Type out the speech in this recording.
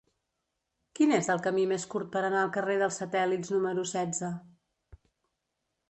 Quin és el camí més curt per anar al carrer dels Satèl·lits número setze?